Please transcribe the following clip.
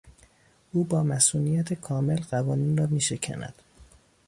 او با مصونیت کامل قوانین را میشکند.